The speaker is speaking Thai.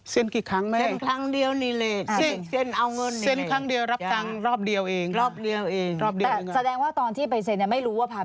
เซ็นครั้งเดียวนี่แหละ